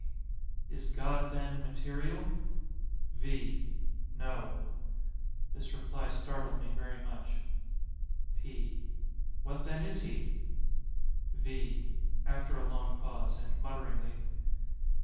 _ Is God, then, material? V. No. [This reply startled me very much.] P. What, then, is he? V. [_After a long pause, and mutteringly.